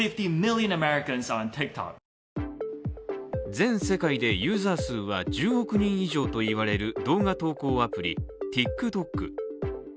全世界でユーザー数は１０億人以上といわれる動画投稿アプリＴｉｋＴｏｋ。